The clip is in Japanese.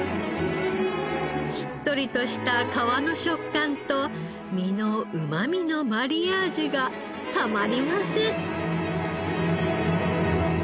しっとりとした皮の食感と身のうまみのマリアージュがたまりません！